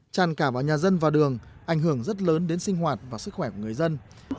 tràn cả vào nhà dân và đường ảnh hưởng rất lớn đến sinh hoạt và sức khỏe người dân